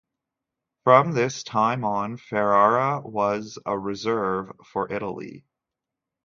From this time on, Ferrara was a reserve for Italy.